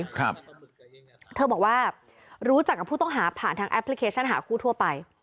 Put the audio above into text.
ครับเธอบอกว่ารู้จักกับผู้ต้องหาผ่านทางแอปพลิเคชันหาคู่ทั่วไป